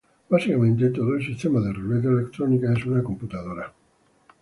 Básicamente, todo el sistema de ruleta electrónica es una computadora.